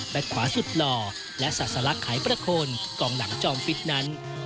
ขวาสุดหล่อและศาสลักไขประโคนกองหลังจอมฟิตนั้น